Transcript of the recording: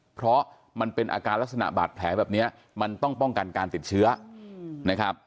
เพราะมันเป็นอาการลักษณะบาดแผลแบบนี้มันต้องป้องกันการติดเชื้อนะครับ